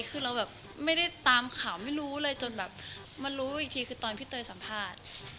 คือเราแบบไม่ได้ตามข่าวไม่รู้เลยจนแบบมารู้อีกทีคือตอนพี่เตยสัมภาษณ์